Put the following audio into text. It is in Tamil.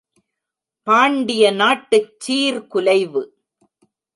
பாண்டிய நாட்டுச் சீர்குலைவு.